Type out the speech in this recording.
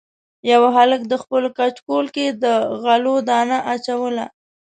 یوه هلک د خپلو کچکول کې د غلو دانه اچوله.